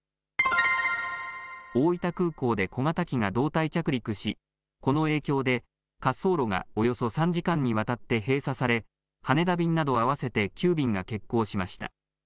大分空港で小型機が胴体着陸し、この影響で滑走路がおよそ３時間にわたって閉鎖され、羽田便など合わせて９便が欠航しました。